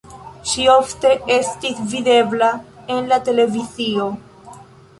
Ŝi ofte estis videbla en la televizio.